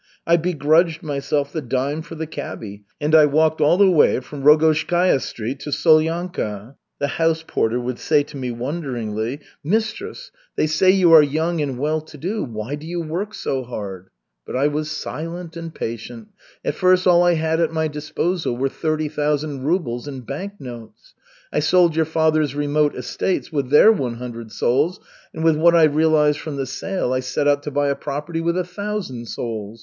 I begrudged myself the dime for the cabby, and I walked all the way from Rogozhskaya Street to Solyanka. The house porter would say to me wonderingly: "Mistress, they say you are young and well to do, why do you work so hard?" But I was silent and patient. At first all I had at my disposal were thirty thousand rubles in bank notes. I sold your father's remote estates with their one hundred souls, and with what I realized from the sale I set out to buy a property with a thousand souls.